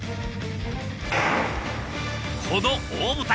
この大舞台